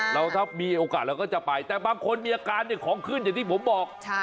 แล้วถ้ามีโอกาสเราก็จะไปแต่บางคนมีอาการของขึ้นอย่างที่ผมบอก